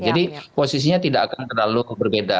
jadi posisinya tidak akan terlalu berbeda